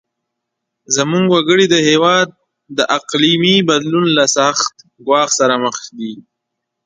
زموږ وګړي او هیواد د اقلیمي بدلون له سخت ګواښ سره مخ دي.